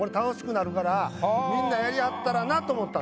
みんなやりはったらなと思ったんですよ。